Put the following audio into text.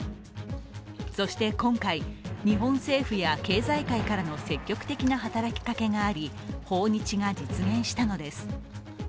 そして今回、日本政府や経済界からの積極的な働きかけがあり、訪日が実現したのです。